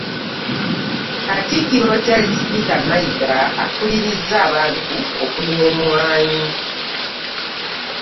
Katikiro Charles Peter Mayiga akubiriiza abantu okulima emwanyi.